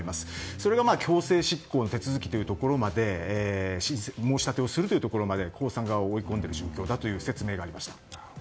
それが強制執行の手続きの申し立てをするというところまで江さん側を追い込んでいる状況だという説明がありました。